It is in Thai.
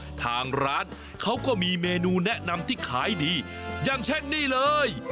ทางร้านเขาก็มีเมนูแนะนำที่ขายดีอย่างเช่นนี่เลย